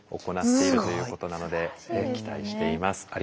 行っているということなので期待しています。